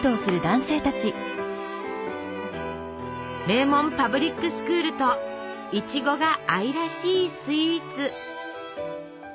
名門パブリックスクールといちごが愛らしいスイーツ。